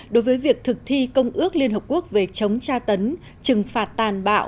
đối với việc thực thi công ước liên hợp quốc về chống tra tấn trừng phạt tàn bạo